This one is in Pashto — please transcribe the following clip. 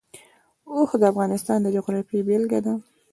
اوښ د افغانستان د جغرافیې بېلګه ده.